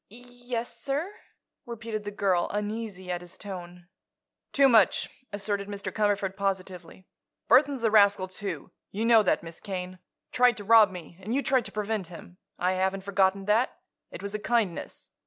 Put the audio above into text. "Yes, sir," repeated the girl, uneasy at his tone. "Too much," asserted Mr. Cumberford, positively. "Burthon's a rascal, too. You know that, Miss Kane. Tried to rob me; and you tried to prevent him. I haven't forgotten that; it was a kindness.